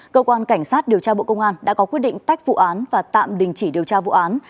cơ quan cảnh sát điều tra bộ công an đã có quyết định tách vụ án và tạm đình chỉ điều tra vụ án